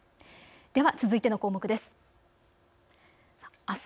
では続いての項目です。